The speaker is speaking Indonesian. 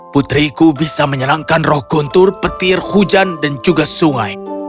putriku bisa menyenangkan roh guntur petir hujan dan juga sungai